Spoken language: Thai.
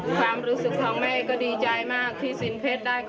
ผมภูมิใจดีใจมากค่ะที่ลูกได้ประสบค้นสำเร็จ